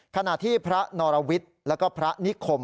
ขณะที่พระนรวิทย์แล้วก็พระนิคม